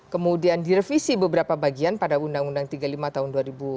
kemudian direvisi beberapa bagian pada undang undang tiga puluh lima tahun dua ribu sembilan